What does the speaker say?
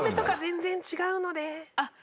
あっ。